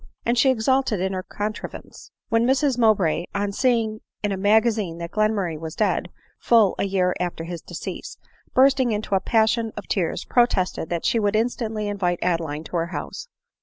And she exulted in her contrivance ; when Mrs Mow bray, on seeing in a magazine that Glenmurray was dead, (lull a year after his decease,) bursting into a passion of tears, protested that she would instantly invite Adeline to her house.